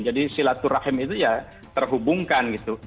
jadi silaturahim itu ya terhubungkan gitu